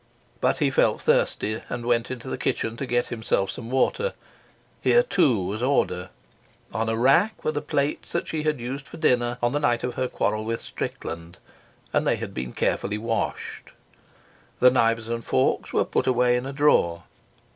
But he felt thirsty, and went into the kitchen to get himself some water. Here, too, was order. On a rack were the plates that she had used for dinner on the night of her quarrel with Strickland, and they had been carefully washed. The knives and forks were put away in a drawer.